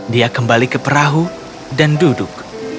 dia kembali ke perahu dan duduk